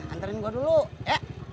anterin gua dulu ya